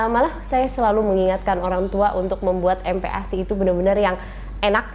malah saya selalu mengingatkan orang tua untuk membuat mpac itu benar benar yang enak